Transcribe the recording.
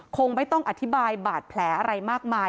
คงไม่ต้องอธิบายบาดแผลอะไรมากมาย